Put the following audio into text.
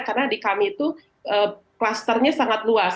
karena di kami itu klasternya sangat luas